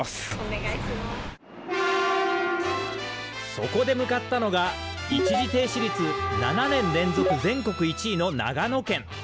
そこで向かったのが一時停止率、７年連続全国１位の長野県。